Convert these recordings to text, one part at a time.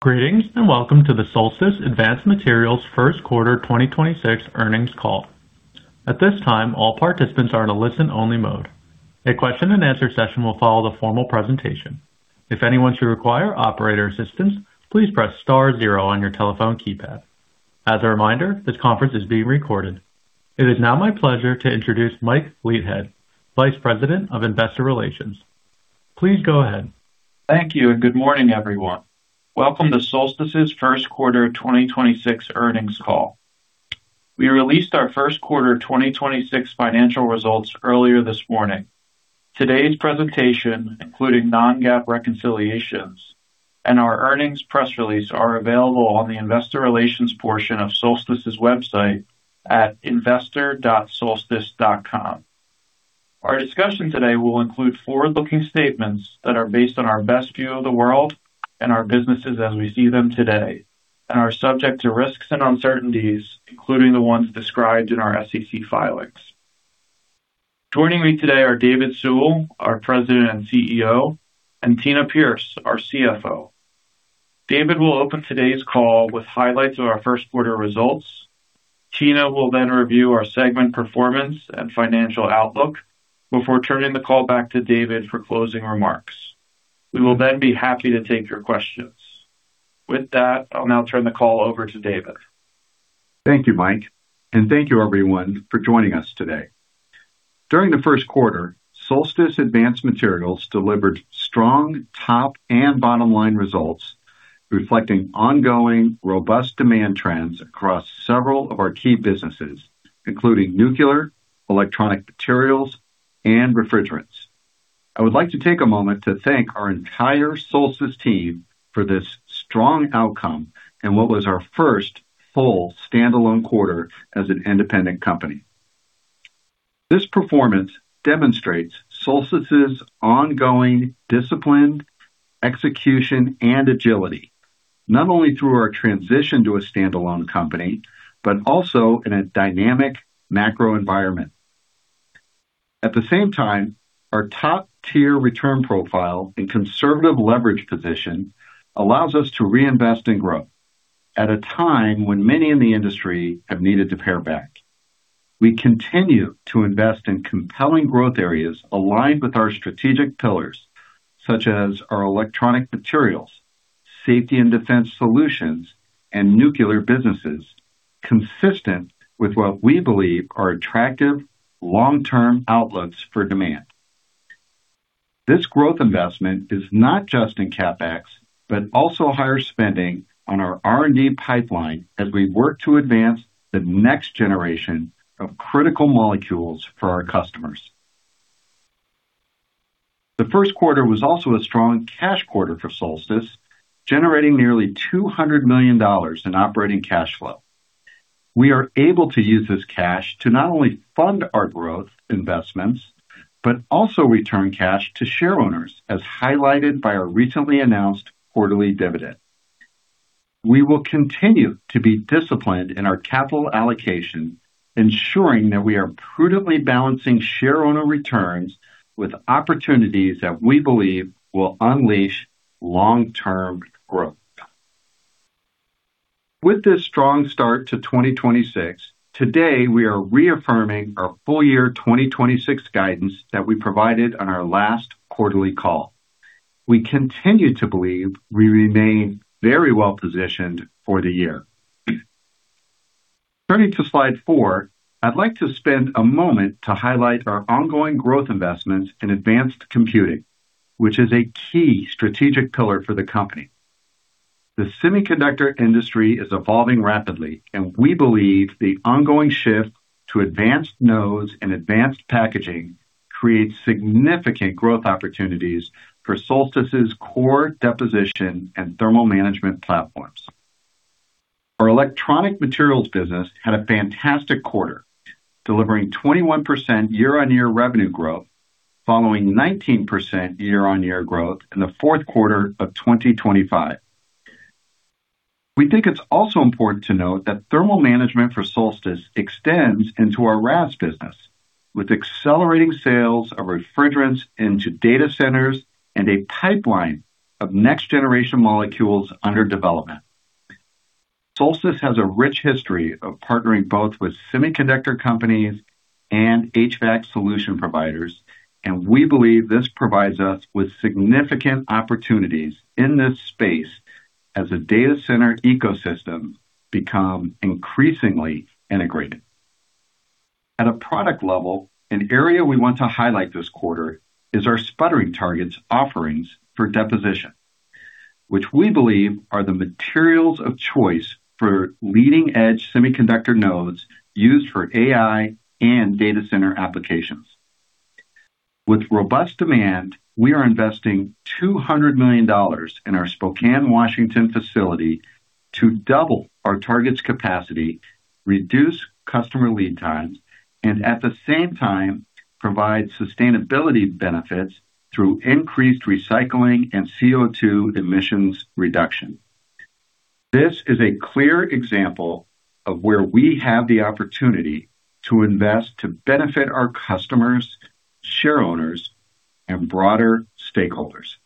Greetings, and welcome to the Solstice Advanced Materials first quarter 2026 earnings call. At this time, all participants are in a listen-only mode. A question and answer session will follow the formal presentation. If anyone should require operator assistance, please press star zero on your telephone keypad. As a reminder, this conference is being recorded. It is now my pleasure to introduce Mike Leithead, Vice President of Investor Relations. Please go ahead. Thank you, and good morning, everyone. Welcome to Solstice's first quarter 2026 earnings call. We released our first quarter 2026 financial results earlier this morning. Today's presentation, including non-GAAP reconciliations and our earnings press release, are available on the Investor Relations portion of Solstice's website at investor.solstice.com. Our discussion today will include forward-looking statements that are based on our best view of the world and our businesses as we see them today and are subject to risks and uncertainties, including the ones described in our SEC filings. Joining me today are David Sewell, our President and CEO, and Tina Pierce, our CFO. David will open today's call with highlights of our first quarter results. Tina will then review our segment performance and financial outlook before turning the call back to David for closing remarks. We will then be happy to take your questions. With that, I'll now turn the call over to David. Thank you, Mike, and thank you everyone for joining us today. During the first quarter, Solstice Advanced Materials delivered strong top and bottom line results, reflecting ongoing robust demand trends across several of our key businesses, including nuclear, electronic materials, and refrigerants. I would like to take a moment to thank our entire Solstice team for this strong outcome in what was our first full standalone quarter as an independent company. This performance demonstrates Solstice's ongoing discipline, execution, and agility, not only through our transition to a standalone company, but also in a dynamic macro environment. At the same time, our top-tier return profile and conservative leverage position allows us to reinvest and grow at a time when many in the industry have needed to pare back. We continue to invest in compelling growth areas aligned with our strategic pillars, such as our electronic materials, Safety and Defense Solutions, and nuclear businesses, consistent with what we believe are attractive long-term outlooks for demand. This growth investment is not just in CapEx, but also higher spending on our R&D pipeline as we work to advance the next generation of critical molecules for our customers. The first quarter was also a strong cash quarter for Solstice, generating nearly $200 million in operating cash flow. We are able to use this cash to not only fund our growth investments, but also return cash to shareowners, as highlighted by our recently announced quarterly dividend. We will continue to be disciplined in our capital allocation, ensuring that we are prudently balancing shareowner returns with opportunities that we believe will unleash long-term growth. With this strong start to 2026, today we are reaffirming our full year 2026 guidance that we provided on our last quarterly call. We continue to believe we remain very well positioned for the year. Turning to slide four, I'd like to spend a moment to highlight our ongoing growth investments in advanced computing, which is a key strategic pillar for the company. The semiconductor industry is evolving rapidly, and we believe the ongoing shift to advanced nodes and advanced packaging creates significant growth opportunities for Solstice's core deposition and thermal management platforms. Our electronic materials business had a fantastic quarter, delivering 21% year-on-year revenue growth following 19% year-on-year growth in the fourth quarter of 2025. We think it's also important to note that thermal management for Solstice extends into our RAS business with accelerating sales of refrigerants into data centers and a pipeline of next-generation molecules under development. Solstice has a rich history of partnering both with semiconductor companies and HVAC solution providers, and we believe this provides us with significant opportunities in this space as the data center ecosystems become increasingly integrated. At a product level, an area we want to highlight this quarter is our sputtering targets offerings for deposition, which we believe are the materials of choice for leading-edge semiconductor nodes used for AI and data center applications. With robust demand, we are investing $200 million in our Spokane, Washington facility to double our target's capacity, reduce customer lead times, and at the same time, provide sustainability benefits through increased recycling and CO2 emissions reduction. This is a clear example of where we have the opportunity to invest to benefit our customers, share owners, and broader stakeholders.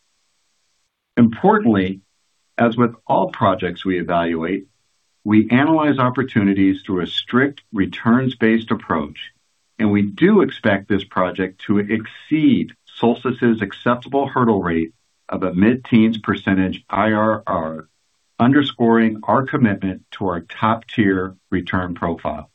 Importantly, as with all projects we evaluate, we analyze opportunities through a strict returns-based approach, and we do expect this project to exceed Solstice's acceptable hurdle rate of a mid-teens percentage IRR, underscoring our commitment to our top-tier return profile.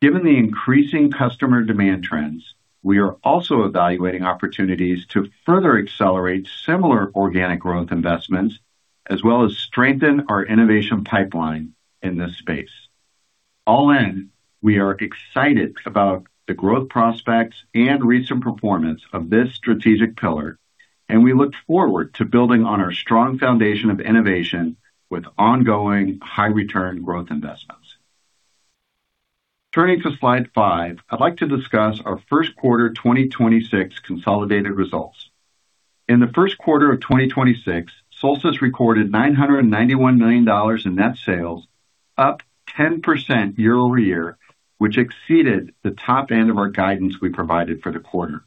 Given the increasing customer demand trends, we are also evaluating opportunities to further accelerate similar organic growth investments as well as strengthen our innovation pipeline in this space. All in, we are excited about the growth prospects and recent performance of this strategic pillar, and we look forward to building on our strong foundation of innovation with ongoing high return growth investments. Turning to slide five, I'd like to discuss our first quarter 2026 consolidated results. In the first quarter of 2026, Solstice recorded $991 million in net sales, up 10% year-over-year, which exceeded the top end of our guidance we provided for the quarter.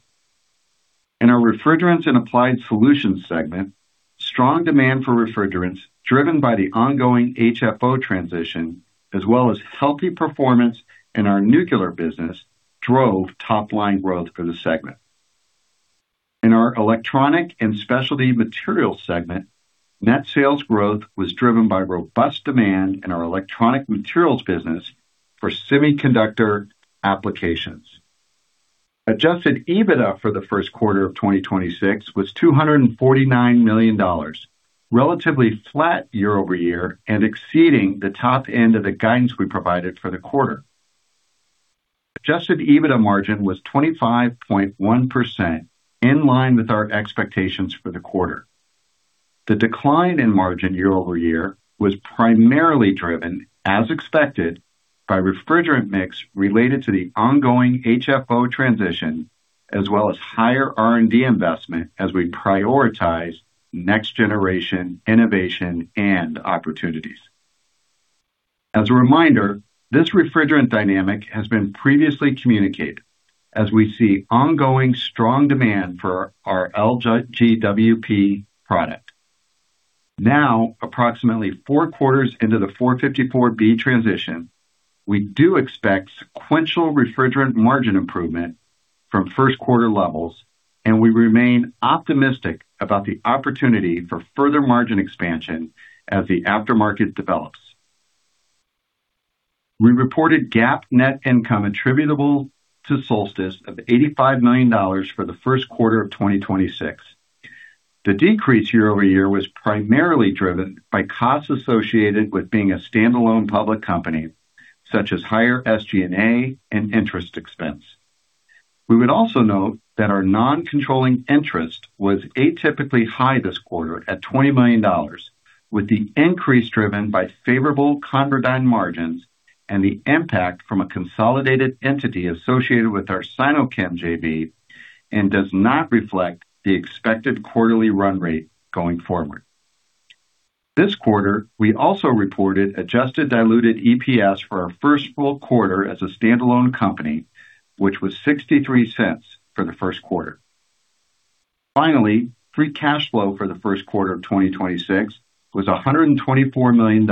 In our Refrigerants & Applied Solutions segment, strong demand for refrigerants driven by the ongoing HFO transition, as well as healthy performance in our nuclear business, drove top line growth for the segment. In our Electronic & Specialty Materials segment, net sales growth was driven by robust demand in our electronic materials business for semiconductor applications. Adjusted EBITDA for the first quarter of 2026 was $249 million, relatively flat year-over-year and exceeding the top end of the guidance we provided for the quarter. Adjusted EBITDA margin was 25.1%, in line with our expectations for the quarter. The decline in margin year-over-year was primarily driven, as expected, by refrigerant mix related to the ongoing HFO transition as well as higher R&D investment as we prioritize next generation innovation and opportunities. As a reminder, this refrigerant dynamic has been previously communicated as we see ongoing strong demand for our LGWP product. Now, approximately four quarters into the R-454B transition, we do expect sequential refrigerant margin improvement from first quarter levels, and we remain optimistic about the opportunity for further margin expansion as the aftermarket develops. We reported GAAP net income attributable to Solstice of $85 million for the first quarter of 2026. The decrease year-over-year was primarily driven by costs associated with being a standalone public company, such as higher SG&A and interest expense. We would also note that our non-controlling interest was atypically high this quarter at $20 million, with the increase driven by favorable ConverDyn margins and the impact from a consolidated entity associated with our Sinochem JV and does not reflect the expected quarterly run rate going forward. This quarter, we also reported adjusted diluted EPS for our first full quarter as a standalone company, which was $0.63 for the first quarter. Finally, free cash flow for the first quarter of 2026 was $124 million,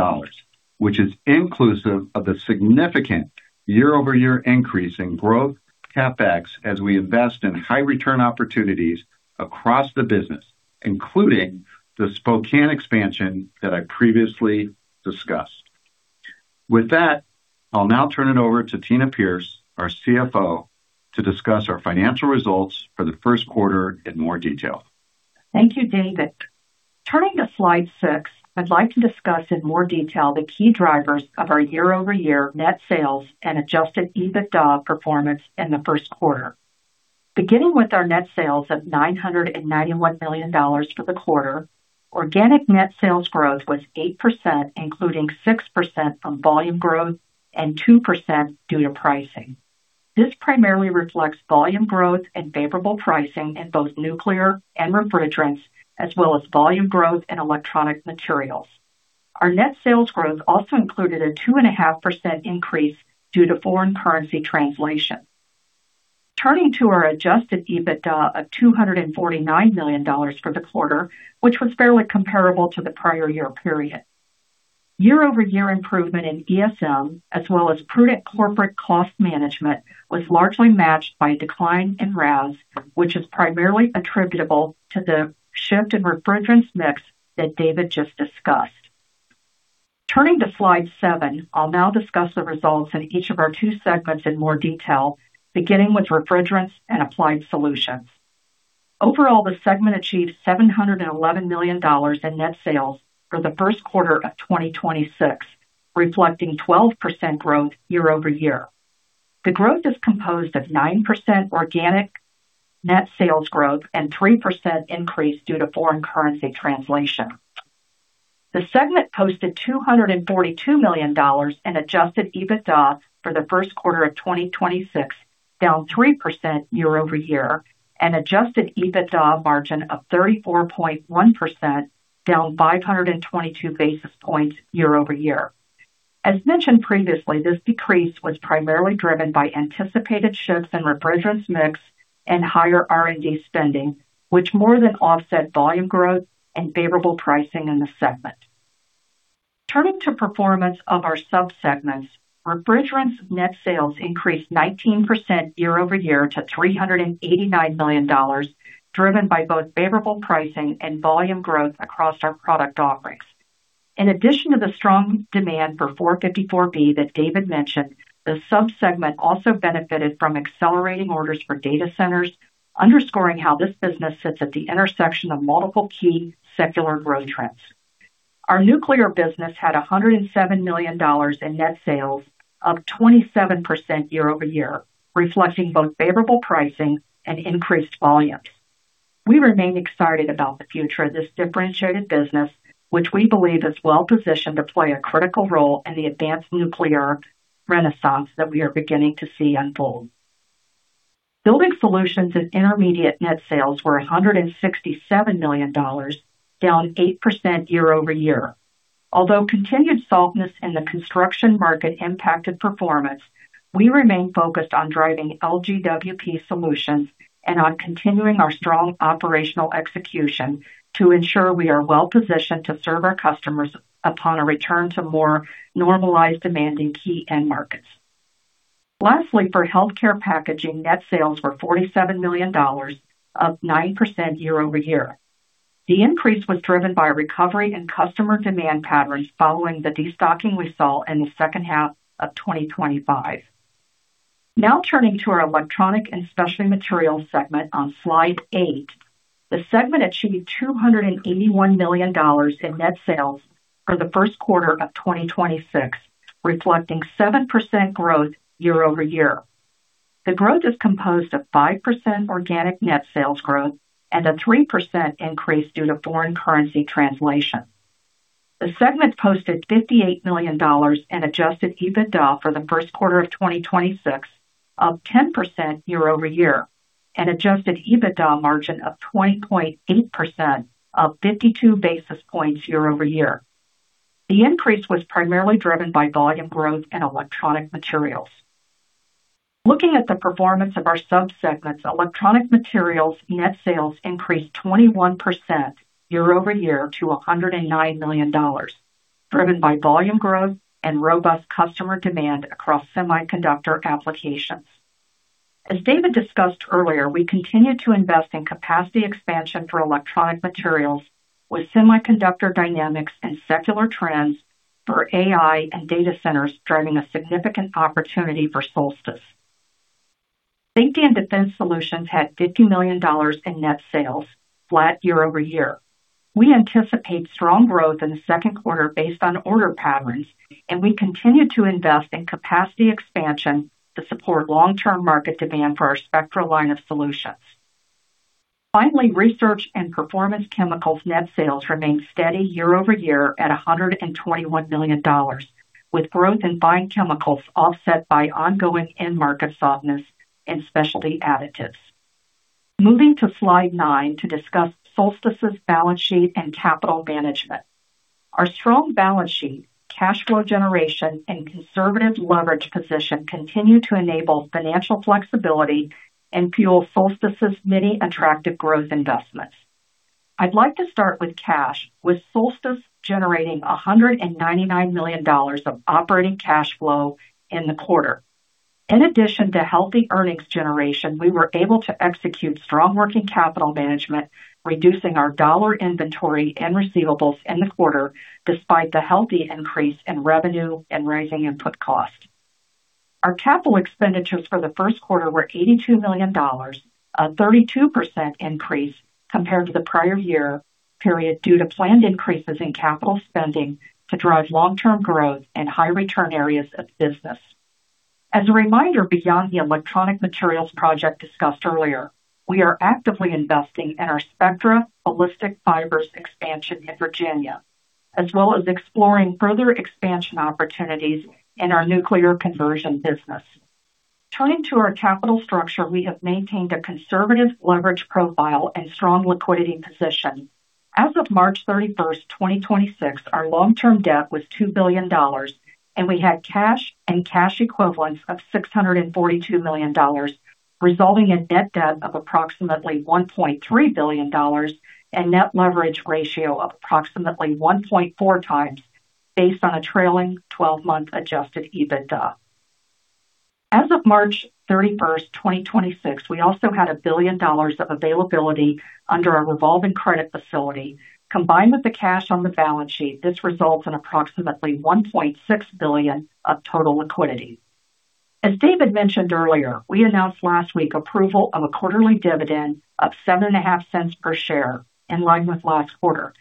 which is inclusive of the significant year-over-year increase in growth CapEx as we invest in high return opportunities across the business, including the Spokane expansion that I previously discussed. With that, I'll now turn it over to Tina Pierce, our CFO, to discuss our financial results for the first quarter in more detail. Thank you, David. Turning to slide six, I'd like to discuss in more detail the key drivers of our year-over-year net sales and adjusted EBITDA performance in the first quarter. Beginning with our net sales of $991 million for the quarter, organic net sales growth was 8%, including 6% from volume growth and 2% due to pricing. This primarily reflects volume growth and favorable pricing in both nuclear and refrigerants, as well as volume growth in electronic materials. Our net sales growth also included a 2.5% increase due to foreign currency translation. Turning to our adjusted EBITDA of $249 million for the quarter, which was fairly comparable to the prior year period. Year-over-year improvement in ESM as well as prudent corporate cost management was largely matched by a decline in RAS, which is primarily attributable to the shift in refrigerants mix that David just discussed. Turning to slide seven, I'll now discuss the results in each of our two segments in more detail, beginning with Refrigerants & Applied Solutions. Overall, the segment achieved $711 million in net sales for the first quarter of 2026, reflecting 12% growth year-over-year. The growth is composed of 9% organic net sales growth and 3% increase due to foreign currency translation. The segment posted $242 million in adjusted EBITDA for the first quarter of 2026, down 3% year-over-year, and adjusted EBITDA margin of 34.1%, down 522 basis points year-over-year. As mentioned previously, this decrease was primarily driven by anticipated shifts in refrigerants mix and higher R&D spending, which more than offset volume growth and favorable pricing in the segment. Turning to performance of our sub-segments, refrigerants net sales increased 19% year-over-year to $389 million, driven by both favorable pricing and volume growth across our product offerings. In addition to the strong demand for R-454B that David mentioned, the sub-segment also benefited from accelerating orders for data centers, underscoring how this business sits at the intersection of multiple key secular growth trends. Our nuclear business had $107 million in net sales, up 27% year-over-year, reflecting both favorable pricing and increased volumes. We remain excited about the future of this differentiated business, which we believe is well-positioned to play a critical role in the advanced nuclear renaissance that we are beginning to see unfold. Building Solutions and Intermediates net sales were $167 million, down 8% year-over-year. Although continued softness in the construction market impacted performance, we remain focused on driving LGWP solutions and on continuing our strong operational execution to ensure we are well-positioned to serve our customers upon a return to more normalized demand in key end markets. Lastly, for healthcare packaging, net sales were $47 million, up 9% year-over-year. The increase was driven by a recovery in customer demand patterns following the destocking we saw in the second half of 2025. Now turning to our Electronic & Specialty Materials segment on Slide eight. The segment achieved $281 million in net sales for the first quarter of 2026, reflecting 7% growth year-over-year. The growth is composed of 5% organic net sales growth and a 3% increase due to foreign currency translation. The segment posted $58 million in adjusted EBITDA for the first quarter of 2026, up 10% year-over-year, an adjusted EBITDA margin of 20.8%, up 52 basis points year-over-year. The increase was primarily driven by volume growth in electronic materials. Looking at the performance of our sub-segments, electronic materials net sales increased 21% year-over-year to $109 million, driven by volume growth and robust customer demand across semiconductor applications. As David discussed earlier, we continue to invest in capacity expansion for electronic materials with semiconductor dynamics and secular trends for AI and data centers driving a significant opportunity for Solstice. Safety and Defense Solutions had $50 million in net sales, flat year-over-year. We anticipate strong growth in the second quarter based on order patterns, and we continue to invest in capacity expansion to support long-term market demand for our Spectra line of solutions. Finally, Research and Performance Chemicals net sales remained steady year-over-year at $121 million, with growth in fine chemicals offset by ongoing end market softness and specialty additives. Moving to slide nine to discuss Solstice's balance sheet and capital management. Our strong balance sheet, cash flow generation, and conservative leverage position continue to enable financial flexibility and fuel Solstice's many attractive growth investments. I'd like to start with cash, with Solstice generating $199 million of operating cash flow in the quarter. In addition to healthy earnings generation, we were able to execute strong working capital management, reducing our dollar inventory and receivables in the quarter despite the healthy increase in revenue and rising input cost. Our capital expenditures for the first quarter were $82 million, a 32% increase compared to the prior year period, due to planned increases in capital spending to drive long-term growth in high return areas of the business. As a reminder, beyond the electronic materials project discussed earlier, we are actively investing in our Spectra ballistic fibers expansion in Virginia, as well as exploring further expansion opportunities in our nuclear conversion business. Turning to our capital structure, we have maintained a conservative leverage profile and strong liquidity position. As of March 31st, 2026, our long-term debt was $2 billion, and we had cash and cash equivalents of $642 million, resulting in net debt of approximately $1.3 billion and net leverage ratio of approximately 1.4x based on a trailing 12-month adjusted EBITDA. As of March 31st, 2026, we also had $1 billion of availability under our revolving credit facility. Combined with the cash on the balance sheet, this results in approximately $1.6 billion of total liquidity. As David mentioned earlier, we announced last week approval of a quarterly dividend of $0.075 per share, in line with last quarter.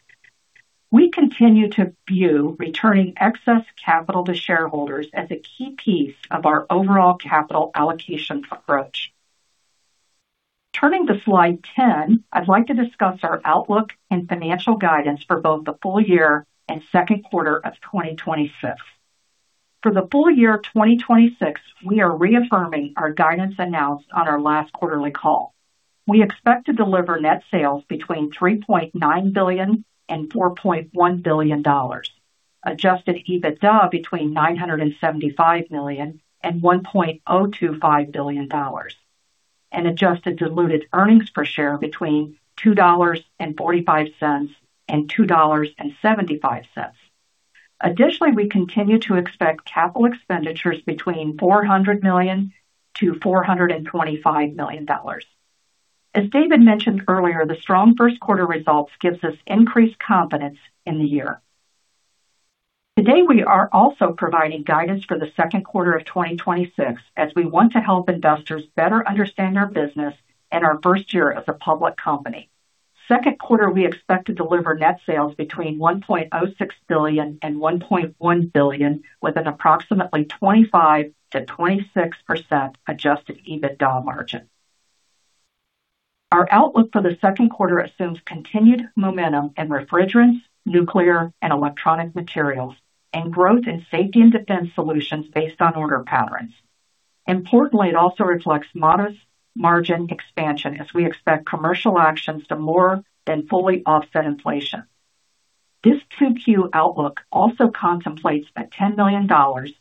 We continue to view returning excess capital to shareholders as a key piece of our overall capital allocation approach. Turning to slide 10, I'd like to discuss our outlook and financial guidance for both the full year and second quarter of 2026. For the full year of 2026, we are reaffirming our guidance announced on our last quarterly call. We expect to deliver net sales between $3.9 billion and $4.1 billion. Adjusted EBITDA between $975 million and $1.025 billion. Adjusted diluted earnings per share between $2.45 and $2.75. Additionally, we continue to expect capital expenditures between $400 million to $425 million. As David mentioned earlier, the strong first quarter results gives us increased confidence in the year. Today, we are also providing guidance for the second quarter of 2026 as we want to help investors better understand our business and our first year as a public company. Second quarter, we expect to deliver net sales between $1.06 billion and $1.1 billion with an approximately 25%-26% adjusted EBITDA margin. Our outlook for the second quarter assumes continued momentum in refrigerants, nuclear, and electronic materials, and growth in Safety and Defense Solutions based on order patterns. Importantly, it also reflects modest margin expansion as we expect commercial actions to more than fully offset inflation. This 2Q outlook also contemplates $10 million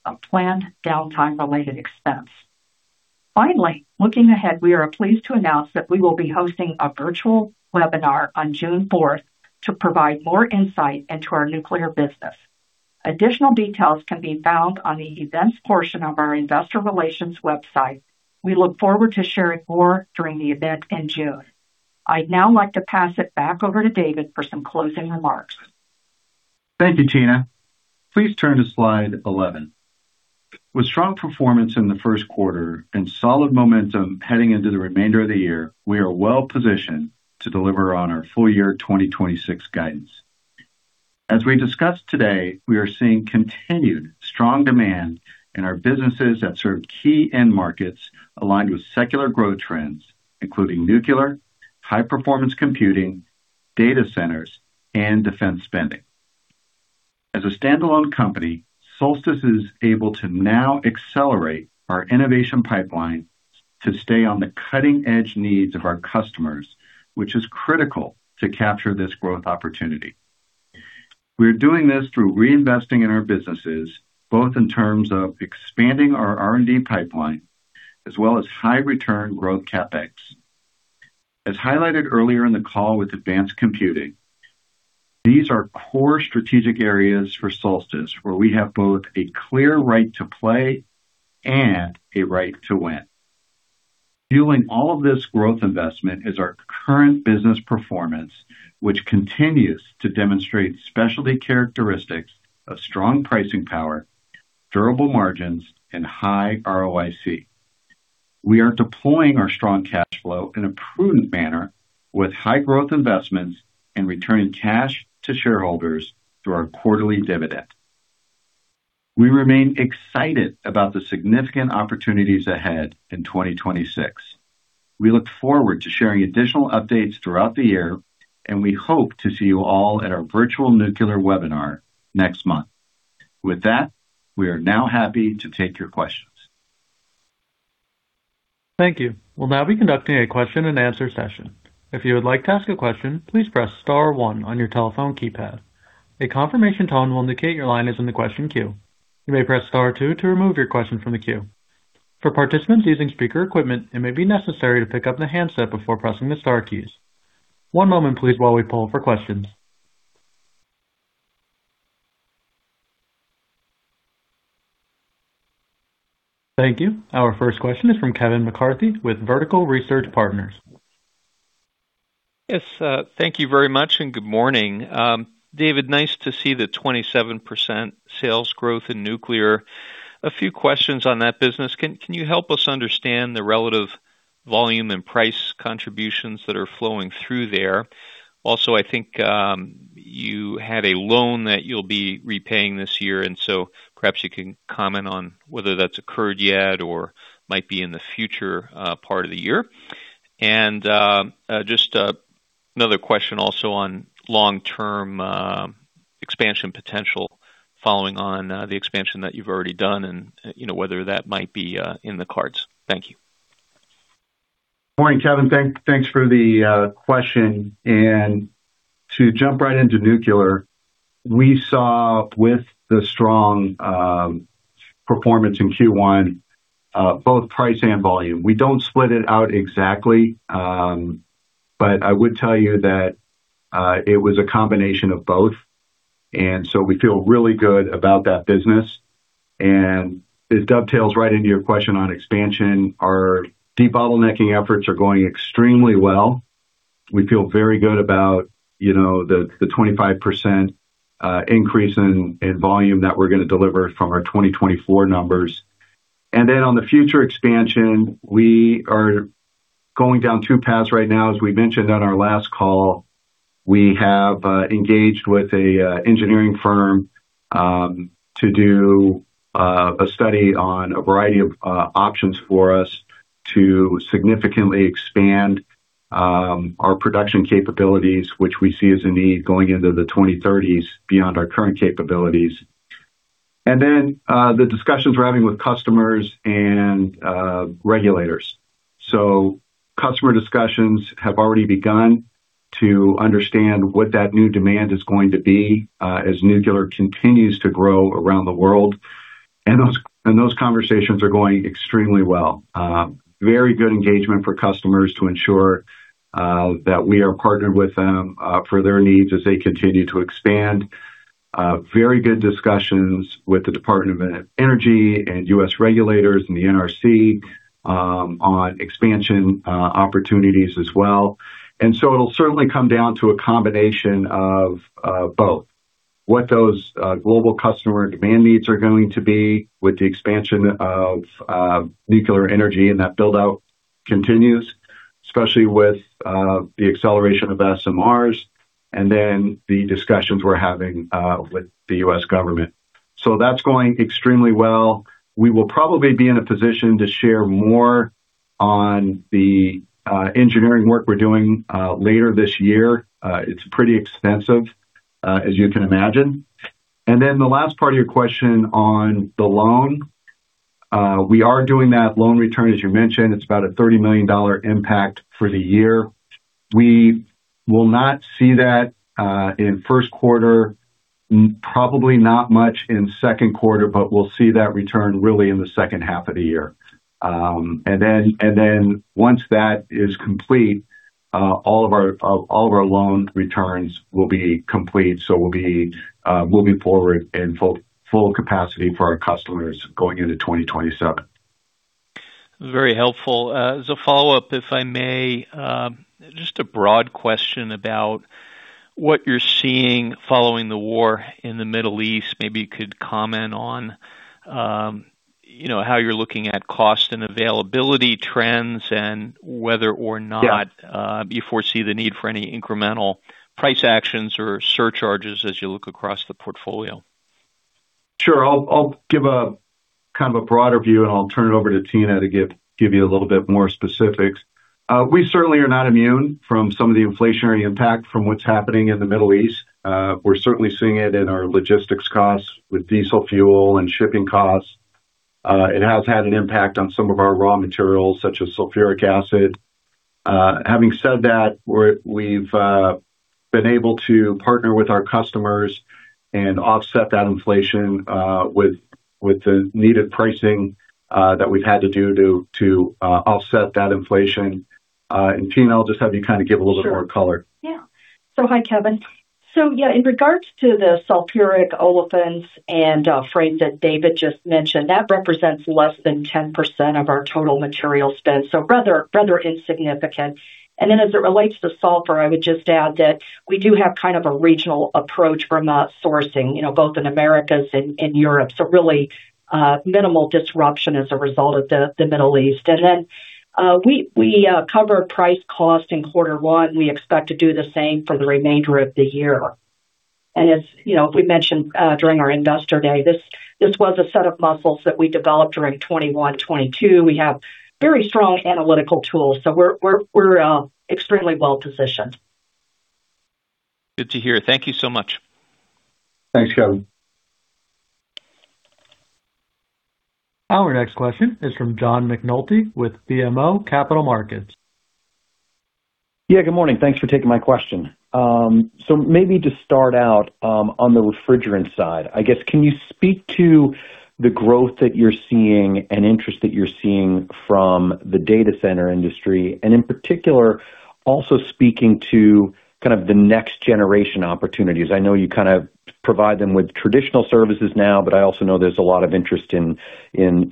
of planned downtime-related expense. Finally, looking ahead, we are pleased to announce that we will be hosting a virtual webinar on June 4th to provide more insight into our nuclear business. Additional details can be found on the events portion of our investor relations website. We look forward to sharing more during the event in June. I'd now like to pass it back over to David for some closing remarks. Thank you, Tina. Please turn to slide 11. With strong performance in the first quarter and solid momentum heading into the remainder of the year, we are well-positioned to deliver on our full year 2026 guidance. As we discussed today, we are seeing continued strong demand in our businesses that serve key end markets aligned with secular growth trends, including nuclear, high performance computing, data centers, and defense spending. As a standalone company, Solstice is able to now accelerate our innovation pipeline to stay on the cutting-edge needs of our customers, which is critical to capture this growth opportunity. We're doing this through reinvesting in our businesses, both in terms of expanding our R&D pipeline as well as high return growth CapEx. As highlighted earlier in the call with advanced computing, these are core strategic areas for Solstice, where we have both a clear right to play and a right to win. Fueling all of this growth investment is our current business performance, which continues to demonstrate specialty characteristics of strong pricing power, durable margins, and high ROIC. We are deploying our strong cash flow in a prudent manner with high growth investments and returning cash to shareholders through our quarterly dividend. We remain excited about the significant opportunities ahead in 2026. We look forward to sharing additional updates throughout the year, and we hope to see you all at our virtual nuclear webinar next month. With that, we are now happy to take your questions. Thank you. We'll now be conducting a question and answer session. If you would like to ask a question, please press star one on your telephone keypad. A confirmation tone will indicate your line is in the question queue. You may press star two to remove your question from the queue. For participants using speaker equipment, it may be necessary to pick up the handset before pressing the star keys. One moment please while we poll for questions. Thank you. Our first question is from Kevin McCarthy with Vertical Research Partners. Yes, thank you very much, and good morning. David, nice to see the 27% sales growth in nuclear. A few questions on that business. Can you help us understand the relative volume and price contributions that are flowing through there? Also, I think you had a loan that you'll be repaying this year, and so perhaps you can comment on whether that's occurred yet or might be in the future part of the year. Just another question also on long-term expansion potential following on the expansion that you've already done and you know whether that might be in the cards. Thank you. Morning, Kevin. Thanks for the question. To jump right into nuclear, we saw strong performance in Q1, both price and volume. We don't split it out exactly, but I would tell you that it was a combination of both, and so we feel really good about that business. This dovetails right into your question on expansion. Our de-bottlenecking efforts are going extremely well. We feel very good about, you know, the 25% increase in volume that we're gonna deliver from our 2024 numbers. Then on the future expansion, we are going down two paths right now. As we mentioned on our last call, we have engaged with an engineering firm to do a study on a variety of options for us to significantly expand our production capabilities, which we see as a need going into the 2030s beyond our current capabilities. The discussions we're having with customers and regulators. Customer discussions have already begun to understand what that new demand is going to be as nuclear continues to grow around the world. Those conversations are going extremely well. Very good engagement for customers to ensure that we are partnered with them for their needs as they continue to expand. Very good discussions with the Department of Energy and U.S. regulators and the NRC on expansion opportunities as well. It'll certainly come down to a combination of both what those global customer demand needs are going to be with the expansion of nuclear energy, and that build-out continues, especially with the acceleration of SMRs, and then the discussions we're having with the U.S. government. That's going extremely well. We will probably be in a position to share more on the engineering work we're doing later this year. It's pretty extensive, as you can imagine. The last part of your question on the loan, we are doing that loan return, as you mentioned. It's about a $30 million impact for the year. We will not see that in first quarter, probably not much in second quarter, but we'll see that return really in the second half of the year. Once that is complete, all of our loan returns will be complete, so we'll be moving forward in full capacity for our customers going into 2027. Very helpful. As a follow-up, if I may, just a broad question about what you're seeing following the war in the Middle East. Maybe you could comment on how you're looking at cost and availability trends and whether or not- Yeah. You foresee the need for any incremental price actions or surcharges as you look across the portfolio? Sure. I'll give a kind of a broader view, and I'll turn it over to Tina to give you a little bit more specifics. We certainly are not immune from some of the inflationary impact from what's happening in the Middle East. We're certainly seeing it in our logistics costs with diesel fuel and shipping costs. It has had an impact on some of our raw materials, such as sulfuric acid. Having said that, we've been able to partner with our customers and offset that inflation with the needed pricing that we've had to do to offset that inflation. Tina, I'll just have you kind of give a little bit more color. Sure. Yeah. So hi, Kevin. Yeah, in regards to the sulfuric and olefins and from that David just mentioned, that represents less than 10% of our total material spend, so rather insignificant. Then as it relates to sulfur, I would just add that we do have kind of a regional approach to that sourcing, you know, both in Americas and Europe. Really, minimal disruption as a result of the Middle East. Then, we cover price cost in quarter one. We expect to do the same for the remainder of the year. As you know, we mentioned during our investor day, this was a set of muscles that we developed during 2021, 2022. We have very strong analytical tools, so we're extremely well-positioned. Good to hear. Thank you so much. Thanks, Kevin. Our next question is from John McNulty with BMO Capital Markets. Yeah, good morning. Thanks for taking my question. Maybe to start out, on the refrigerant side, I guess, can you speak to the growth that you're seeing and interest that you're seeing from the data center industry, and in particular, also speaking to kind of the next generation opportunities. I know you kind of provide them with traditional services now, but I also know there's a lot of interest in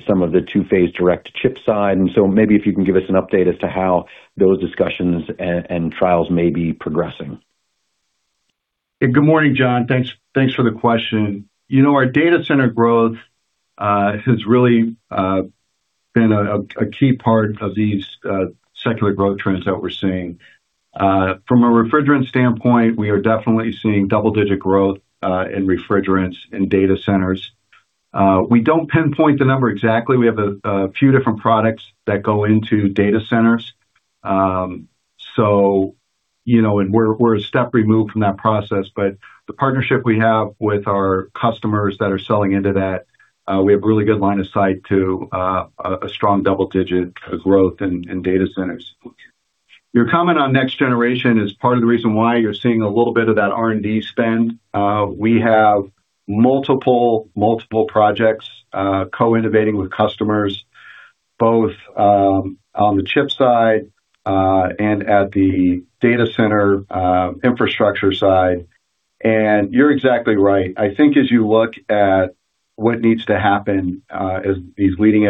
some of the two-phase direct to chip side. Maybe if you can give us an update as to how those discussions and trials may be progressing. Good morning, John. Thanks for the question. You know, our data center growth has really been a key part of these secular growth trends that we're seeing. From a refrigerant standpoint, we are definitely seeing double-digit growth in refrigerants in data centers. We don't pinpoint the number exactly. We have a few different products that go into data centers. You know, we're a step removed from that process, but the partnership we have with our customers that are selling into that, we have really good line of sight to a strong double-digit growth in data centers. Your comment on next generation is part of the reason why you're seeing a little bit of that R&D spend. We have multiple projects co-innovating with customers, both on the chip side and at the data center infrastructure side. You're exactly right. I think as you look at what needs to happen as these leading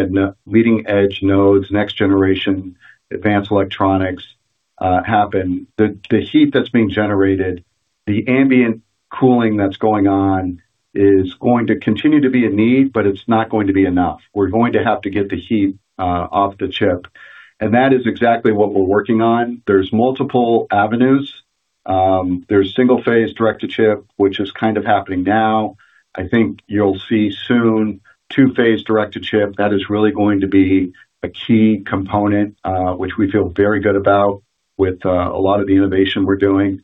edge nodes, next generation advanced electronics happen, the heat that's being generated. The ambient cooling that's going on is going to continue to be a need, but it's not going to be enough. We're going to have to get the heat off the chip. That is exactly what we're working on. There's multiple avenues. There's single-phase direct to chip, which is kind of happening now. I think you'll see soon two-phase direct to chip. That is really going to be a key component, which we feel very good about with a lot of the innovation we're doing.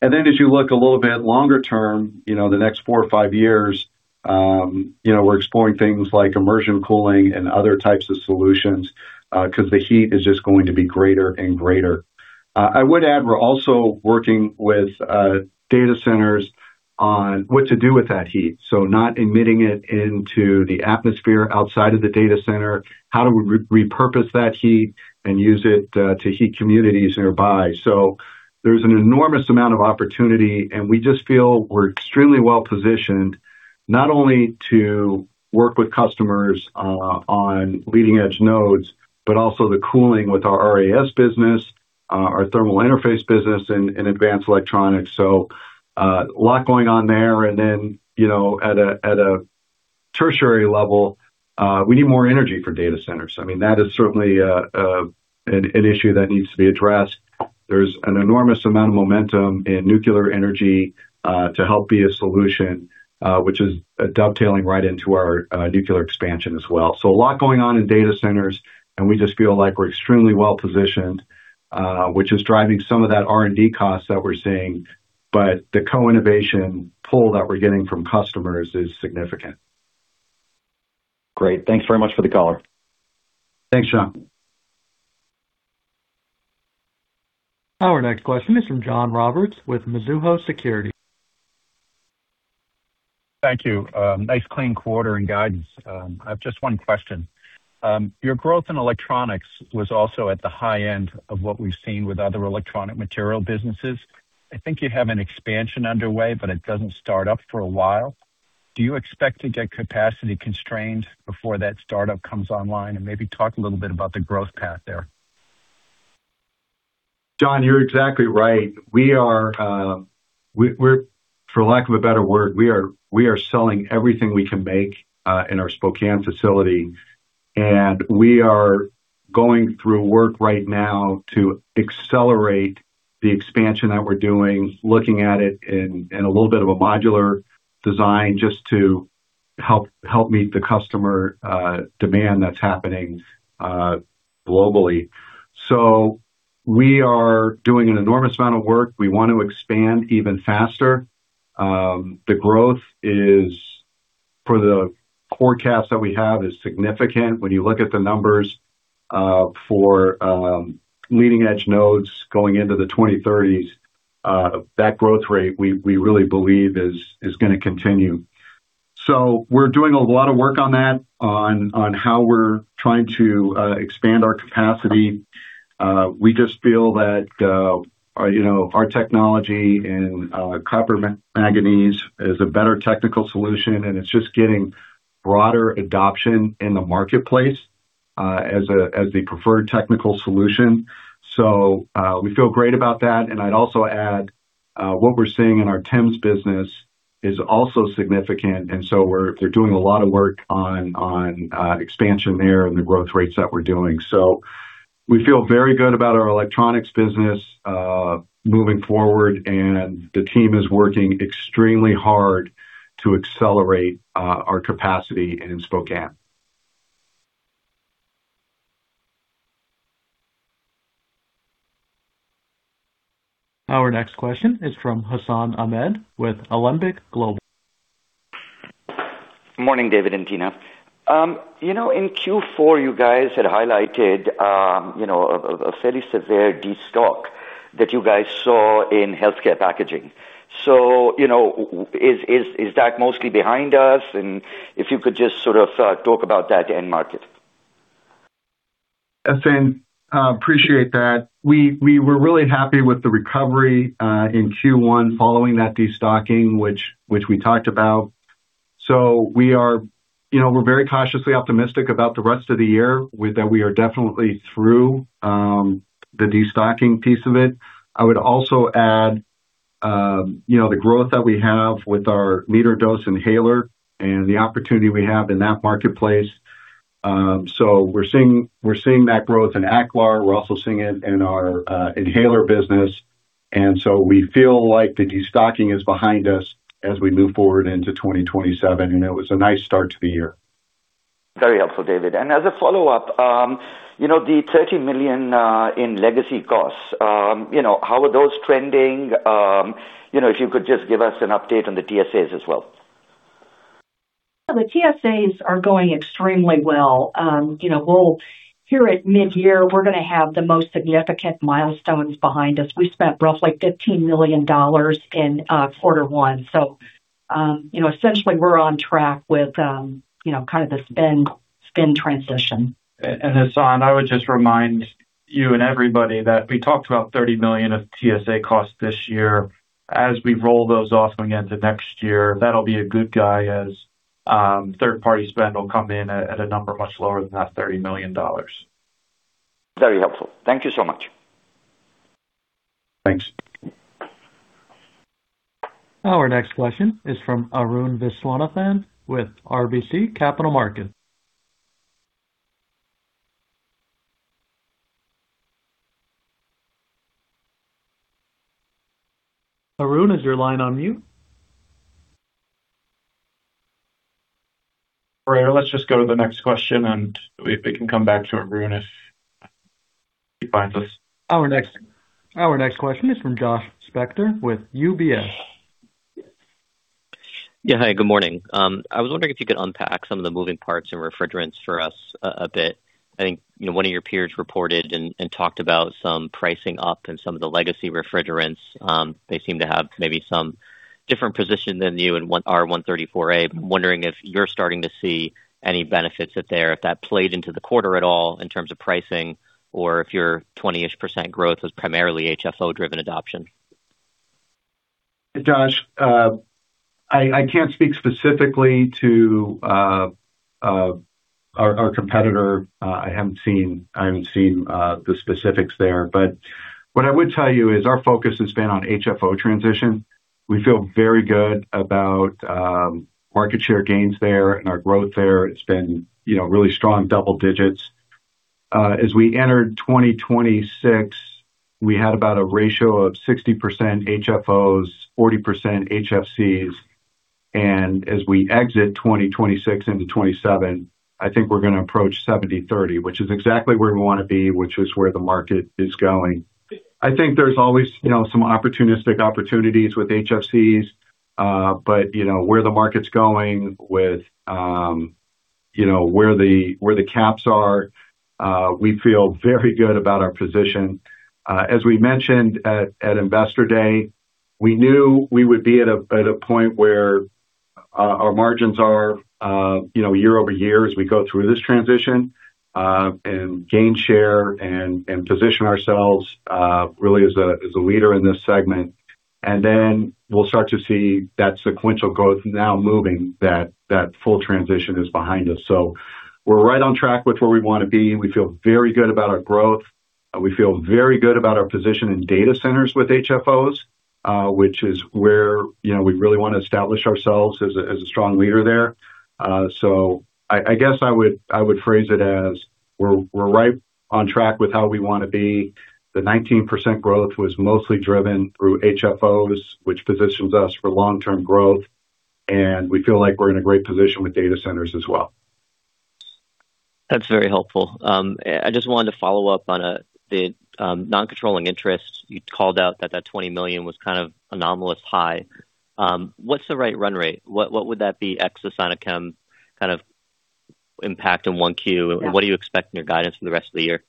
Then as you look a little bit longer term, you know, the next four or five years, you know, we're exploring things like immersion cooling and other types of solutions, 'cause the heat is just going to be greater and greater. I would add we're also working with data centers on what to do with that heat, so not emitting it into the atmosphere outside of the data center. How do we repurpose that heat and use it to heat communities nearby? There's an enormous amount of opportunity, and we just feel we're extremely well positioned not only to work with customers on leading edge nodes, but also the cooling with our RAS business, our thermal interface business in advanced electronics. A lot going on there. Then, you know, at a tertiary level, we need more energy for data centers. I mean, that is certainly an issue that needs to be addressed. There's an enormous amount of momentum in nuclear energy to help be a solution, which is dovetailing right into our nuclear expansion as well. A lot going on in data centers, and we just feel like we're extremely well positioned, which is driving some of that R&D costs that we're seeing. The co-innovation pull that we're getting from customers is significant. Great. Thanks very much for the color. Thanks, John. Our next question is from John Roberts with Mizuho Securities. Thank you. Nice clean quarter and guidance. I've just one question. Your growth in electronics was also at the high end of what we've seen with other electronic material businesses. I think you have an expansion underway, but it doesn't start up for a while. Do you expect to get capacity constrained before that startup comes online? Maybe talk a little bit about the growth path there. John, you're exactly right. We're, for lack of a better word, selling everything we can make in our Spokane facility. We are going through work right now to accelerate the expansion that we're doing, looking at it in a little bit of a modular design just to help meet the customer demand that's happening globally. We are doing an enormous amount of work. We want to expand even faster. The growth, for the forecast that we have, is significant. When you look at the numbers for leading edge nodes going into the 2030s, that growth rate we really believe is gonna continue. We're doing a lot of work on that, on how we're trying to expand our capacity. We just feel that, you know, our technology in copper manganese is a better technical solution, and it's just getting broader adoption in the marketplace as the preferred technical solution. We feel great about that. I'd also add what we're seeing in our TIMs business is also significant. They're doing a lot of work on expansion there and the growth rates that we're doing. We feel very good about our electronics business moving forward, and the team is working extremely hard to accelerate our capacity in Spokane. Our next question is from Hassan Ahmed with Alembic Global. Morning, David and Tina. You know, in Q4, you guys had highlighted you know, a fairly severe destock that you guys saw in healthcare packaging. You know, is that mostly behind us? And if you could just sort of talk about that end market. Hassan, appreciate that. We were really happy with the recovery in Q1 following that destocking, which we talked about. We are, you know, very cautiously optimistic about the rest of the year with that we are definitely through the destocking piece of it. I would also add the growth that we have with our metered-dose inhaler and the opportunity we have in that marketplace. We're seeing that growth in Aclar. We're also seeing it in our inhaler business. We feel like the destocking is behind us as we move forward into 2027, and it was a nice start to the year. Very helpful, David. As a follow-up, you know, the $30 million in legacy costs, you know, how are those trending? You know, if you could just give us an update on the TSAs as well. The TSAs are going extremely well. you know, here at mid-year, we're gonna have the most significant milestones behind us. We spent roughly $15 million in quarter one. you know, essentially, we're on track with, you know, kind of the spend transition. Hassan, I would just remind you and everybody that we talked about $30 million of TSA costs this year. As we roll those off going into next year, that'll be a good guy as third party spend will come in at a number much lower than that $30 million. Very helpful. Thank you so much. Thanks. Our next question is from Arun Viswanathan with RBC Capital Markets. Arun, is your line on mute? Let's just go to the next question and we can come back to Arun if he finds us. Our next question is from Josh Spector with UBS. Yeah. Hi, good morning. I was wondering if you could unpack some of the moving parts in refrigerants for us a bit. I think, you know, one of your peers reported and talked about some pricing up in some of the legacy refrigerants. They seem to have maybe some different position than you in R-134a. I'm wondering if you're starting to see any benefits there, if that played into the quarter at all in terms of pricing or if your 20%-ish growth was primarily HFO driven adoption. Josh, I can't speak specifically to our competitor. I haven't seen the specifics there. What I would tell you is our focus has been on HFO transition. We feel very good about market share gains there and our growth there. It's been, you know, really strong double digits. As we entered 2026, we had about a ratio of 60% HFOs, 40% HFCs. As we exit 2026 into 2027, I think we're gonna approach 70/30, which is exactly where we wanna be, which is where the market is going. I think there's always, you know, some opportunistic opportunities with HFCs. You know, where the market's going with, you know, where the caps are, we feel very good about our position. As we mentioned at Investor Day, we knew we would be at a point where our margins are, you know, year-over-year as we go through this transition and gain share and position ourselves really as a leader in this segment. We'll start to see that sequential growth now moving that full transition is behind us. We're right on track with where we wanna be, and we feel very good about our growth. We feel very good about our position in data centers with HFOs, which is where, you know, we really wanna establish ourselves as a strong leader there. I guess I would phrase it as we're right on track with how we wanna be. The 19% growth was mostly driven through HFOs, which positions us for long-term growth, and we feel like we're in a great position with data centers as well. That's very helpful. I just wanted to follow up on the non-controlling interest. You called out that that $20 million was kind of anomalous high. What's the right run rate? What would that be ex the Sinochem kind of impact in 1Q? Yeah. What do you expect in your guidance for the rest of the year?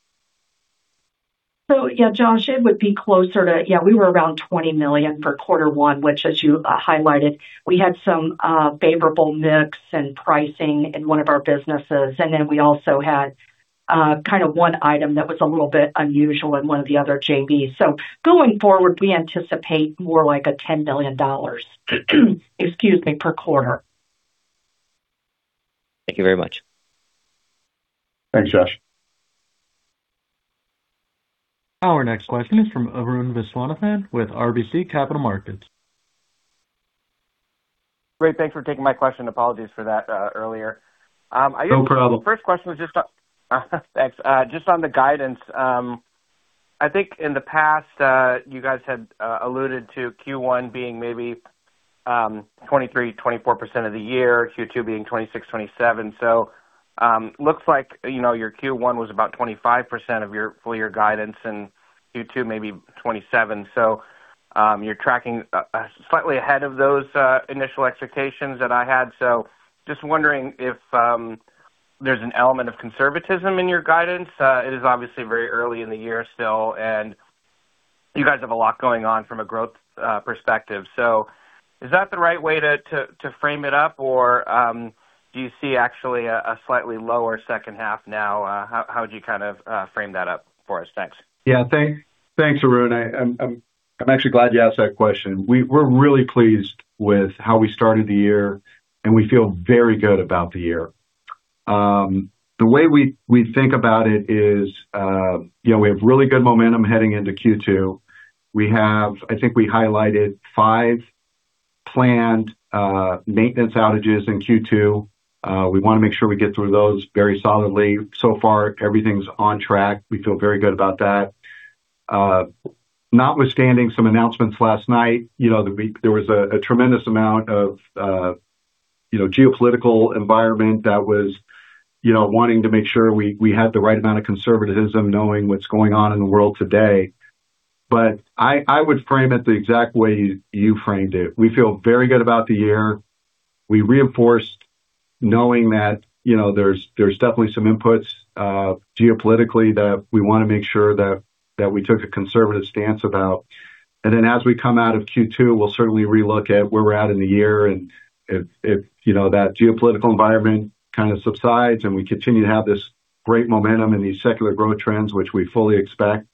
Yeah, Josh, it would be closer to, yeah, we were around $20 million for quarter one, which as you highlighted, we had some favorable mix and pricing in one of our businesses. We also had kind of one item that was a little bit unusual in one of the other JVs. Going forward, we anticipate more like a $10 million, excuse me, per quarter. Thank you very much. Thanks, Josh. Our next question is from Arun Viswanathan with RBC Capital Markets. Great. Thanks for taking my question. Apologies for that earlier. No problem. The first question was just on guidance. I think in the past, you guys had alluded to Q1 being maybe 23%-24% of the year, Q2 being 26%-27%. Looks like, you know, your Q1 was about 25% of your full year guidance and Q2 maybe 27%. You're tracking slightly ahead of those initial expectations that I had. Just wondering if there's an element of conservatism in your guidance. It is obviously very early in the year still, and you guys have a lot going on from a growth perspective. Is that the right way to frame it up? Or do you see actually a slightly lower second half now? How would you kind of frame that up for us? Thanks. Yeah. Thanks. Thanks, Arun. I'm actually glad you asked that question. We're really pleased with how we started the year, and we feel very good about the year. The way we think about it is, you know, we have really good momentum heading into Q2. I think we highlighted five planned maintenance outages in Q2. We wanna make sure we get through those very solidly. So far, everything's on track. We feel very good about that. Notwithstanding some announcements last night, you know, there was a tremendous amount of, you know, geopolitical environment that was, you know, wanting to make sure we had the right amount of conservatism knowing what's going on in the world today. I would frame it the exact way you framed it. We feel very good about the year. We reinforced knowing that, you know, there's definitely some inputs geopolitically that we wanna make sure that we took a conservative stance about. As we come out of Q2, we'll certainly relook at where we're at in the year and if, you know, that geopolitical environment kind of subsides and we continue to have this great momentum in these secular growth trends, which we fully expect,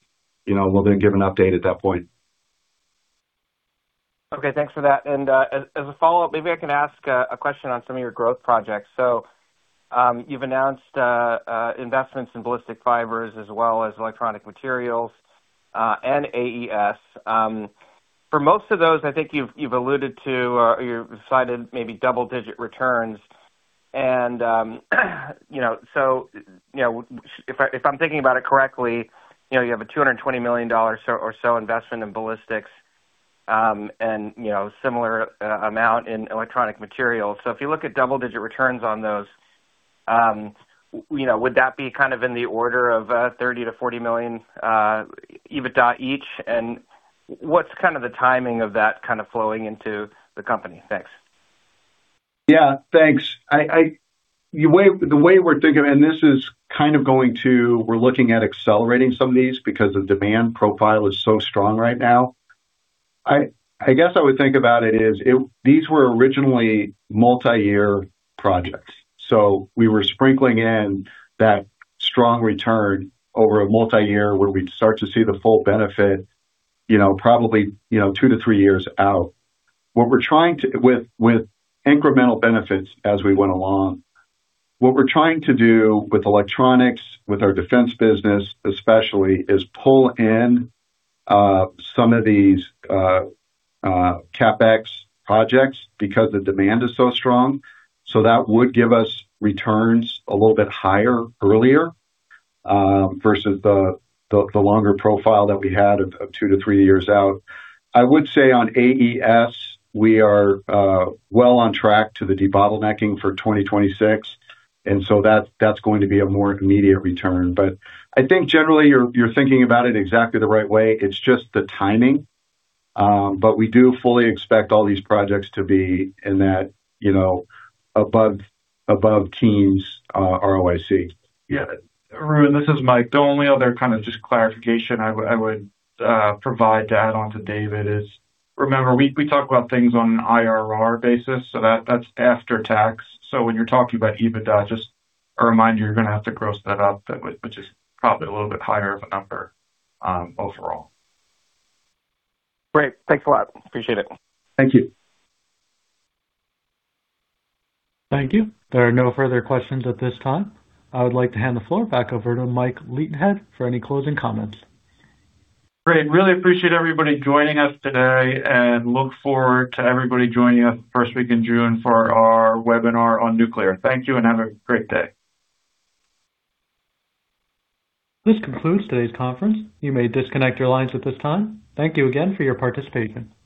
you know, we'll then give an update at that point. Okay, thanks for that. As a follow-up, maybe I can ask a question on some of your growth projects. You've announced investments in ballistic fibers as well as electronic materials and AES. For most of those, I think you've alluded to or you've cited maybe double-digit returns, and you know, if I'm thinking about it correctly, you know, you have a $220 million or so investment in ballistics, and you know, similar amount in electronic materials. If you look at double-digit returns on those, you know, would that be kind of in the order of $30 million-$40 million EBITDA each? What's kind of the timing of that kind of flowing into the company? Thanks. Thanks. The way we're thinking, this is kind of, we're looking at accelerating some of these because the demand profile is so strong right now. I guess I would think about it is these were originally multi-year projects. We were sprinkling in that strong return over a multi-year where we'd start to see the full benefit, you know, probably, you know, 2-3 years out. With incremental benefits as we went along. What we're trying to do with electronics, with our defense business especially, is pull in some of these CapEx projects because the demand is so strong. That would give us returns a little bit higher earlier versus the longer profile that we had of 2-3 years out. I would say on AES, we are well on track to the debottlenecking for 2026, that's going to be a more immediate return. I think generally you're thinking about it exactly the right way. It's just the timing. We do fully expect all these projects to be in that, you know, above teens ROIC. Yeah. Arun, this is Mike. The only other kind of just clarification I would provide to add on to David is, remember, we talk about things on an IRR basis, so that's after tax. When you're talking about EBITDA, just a reminder, you're gonna have to gross that up, which is probably a little bit higher of a number overall. Great. Thanks a lot. Appreciate it. Thank you. Thank you. There are no further questions at this time. I would like to hand the floor back over to Mike Leithead for any closing comments. Great. Really appreciate everybody joining us today and look forward to everybody joining us first week in June for our webinar on nuclear. Thank you and have a great day. This concludes today's conference. You may disconnect your lines at this time. Thank you again for your participation.